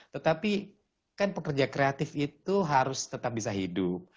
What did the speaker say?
tetapi kan pekerja kreatif itu harus tetap bisa hidup